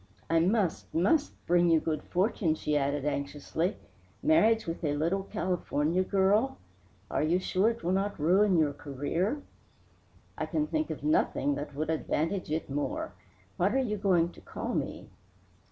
I must, must bring you good fortune," she added anxiously. "Marriage with a little California girl are you sure it will not ruin your career?" "I can think of nothing that would advantage it more. What are you going to call me?"